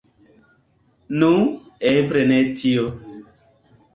Nu, eble ne tio.